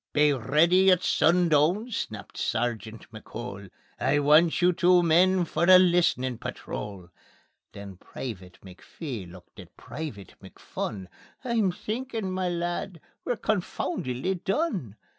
"Be ready at sundoon," snapped Sergeant McCole; "I want you two men for the List'nin' Patrol." Then Private McPhee looked at Private McPhun: "I'm thinkin', ma lad, we're confoundedly done."